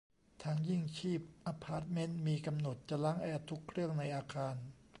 ทางยิ่งชีพ อพาร์ทเม้นต์ มีกำหนดจะล้างแอร์ทุกเครื่องในอาคาร